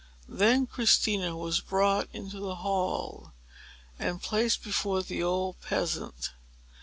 Then Christina was brought into the hall, and placed before the old peasant.